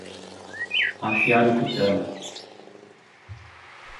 Afiar o cutelo